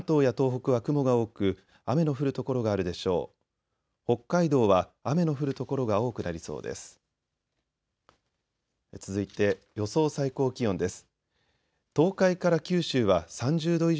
北海道は雨の降る所が多くなりそうです。